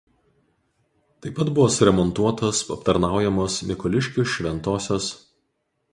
Taip pat buvo suremontuotos aptarnaujamos Mikoliškių šv.